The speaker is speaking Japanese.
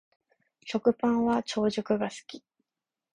食パンは長熟が好き